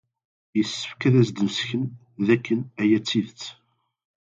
Yessefk ad asen-d-nessken dakken aya d tidet.